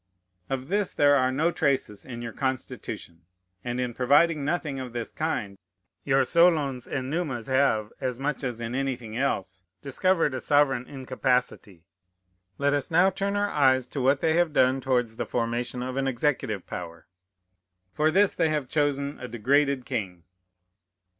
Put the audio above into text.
Of this there are no traces in your Constitution; and in providing nothing of this kind, your Solons and Numas have, as much as in anything else, discovered a sovereign incapacity. Let us now turn our eyes to what they have done towards the formation of an executive power. For this they have chosen a degraded king.